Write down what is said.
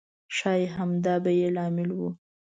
ښایي همدا به یې لامل و.